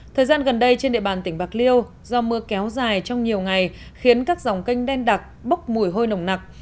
thời gian gần đây trên địa bàn tỉnh bạc liêu do mưa kéo dài trong nhiều ngày khiến các dòng kênh đen đặc bốc mùi hôi nồng nặc